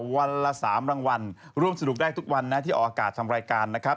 วันละ๓รางวัลร่วมสนุกได้ทุกวันนะที่ออกอากาศทำรายการนะครับ